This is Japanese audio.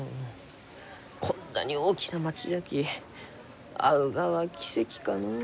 こんなに大きな町じゃき会うがは奇跡かのう。